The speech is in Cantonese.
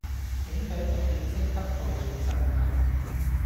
警隊不斷升級暴力鎮壓